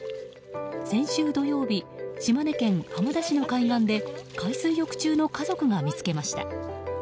先週土曜日島根県浜田市の海岸で海水浴中の家族が見つけました。